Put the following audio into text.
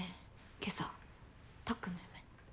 今朝たっくんの夢。